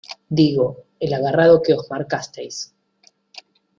digo. el agarrado que os marcasteis ...